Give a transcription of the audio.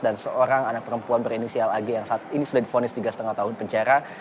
dan seorang anak perempuan berinisial ag yang saat ini sudah di ponis tiga lima tahun penjara